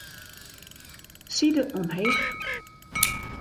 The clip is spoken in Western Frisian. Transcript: Side omheech.